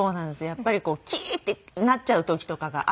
やっぱりこうキーッてなっちゃう時とかがあって。